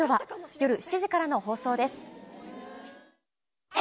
夜７時からの放送です。